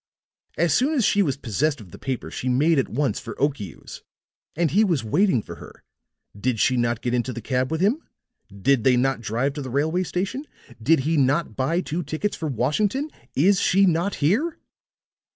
As soon as she was possessed of the paper she made at once for Okiu's. And he was waiting for her. Did she not get into the cab with him? Did they not drive to the railway station? Did he not buy two tickets for Washington? Is she not here?"